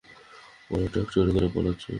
ওরা ট্রাক্টরে করে পালাচ্ছে।